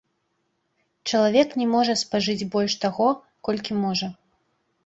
Чалавек не можа спажыць больш таго, колькі можа.